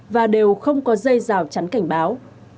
và đều không có dây rào chắn cảnh báo